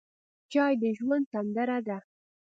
چای د ژوند سندره ده.